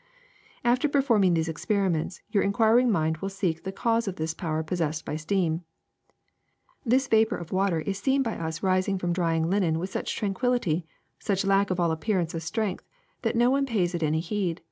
^* After performing these experiments your inquir ing mind will seek the cause of this power possessed by steam. This vapor of water is seen by us rising from drying linen with such tranquillity, such lack of all appearance of strength, that no one pays it any heed.